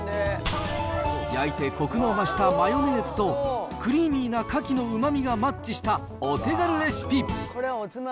焼いて、こくの増したマヨネーズと、クリーミーなカキのうまみがマッチしたお手軽レシピ。